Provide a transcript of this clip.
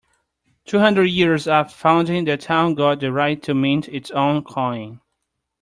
Two hundred years after founding, the town got the right to mint its own coin.